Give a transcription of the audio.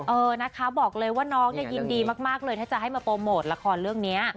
เออนะคะบอกเลยว่าน้องเนี่ยยินดีมากเลยถ้าจะให้มาโปรโมทละครเรื่องนี้